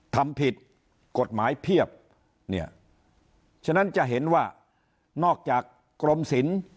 ทำผิดกฎหมายเพียบเนี่ยฉะนั้นจะเห็นว่านอกจากกรมศิลป์